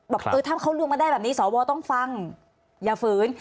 เออถ้าเขารวมกันได้แบบนี้สวต้องฟังอย่าฝืน